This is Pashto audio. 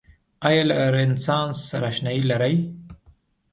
آیا له رنسانس سره اشنایې لرئ؟